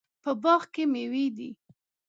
په باغ کې میوې دي